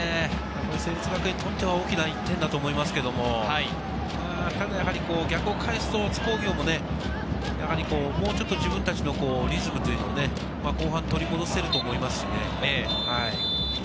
成立学園にとっては大きな１点だと思いますけれども、ただやはり逆を返すと津工業も、もうちょっと自分達のリズムというのをね、後半取り戻せると思いますし。